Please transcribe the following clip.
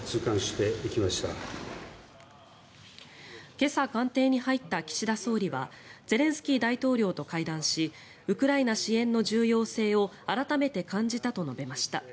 今朝、官邸に入った岸田総理はゼレンスキー大統領と会談しウクライナ支援の重要性を改めて感じたと述べました。